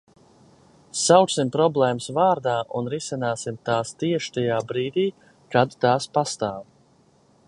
Sauksim problēmas vārdā un risināsim tās tieši tajā brīdī, kad tās pastāv.